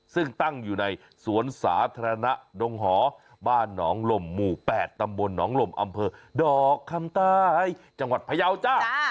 ซึ่งตั้งอยู่ในสวนสาธารณะดงหอบ้านหนองลมหมู่๘ตำบลหนองลมอำเภอดอกคำใต้จังหวัดพยาวจ้า